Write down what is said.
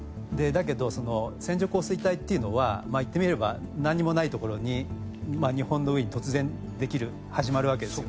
だけど線状降水帯っていうのは言ってみればなんにもない所に日本の上に突然できる始まるわけですよね。